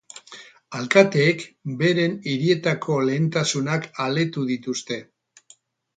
Alkateek beren hirietako lehentasunak aletu dituzte.